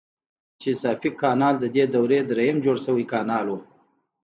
چیساپیک کانال ددې دورې دریم جوړ شوی کانال و.